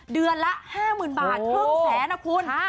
เดือนละ๕๐๐๐บาทครึ่งแสนนะคุณ